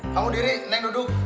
kamu diri neng duduk